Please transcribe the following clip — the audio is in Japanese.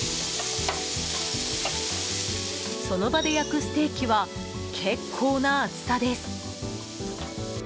その場で焼くステーキは結構な厚さです。